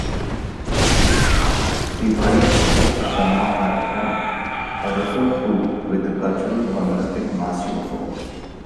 The wives of the Tama-a-Aiga are referred to with the cultural honorific "Masiofo".